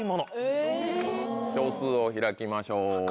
・えぇ・票数を開きましょう。